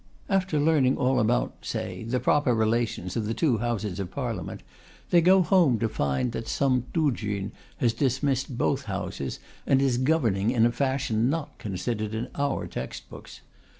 After learning all about (say) the proper relations of the two Houses of Parliament, they go home to find that some Tuchun has dismissed both Houses, and is governing in a fashion not considered in our text books.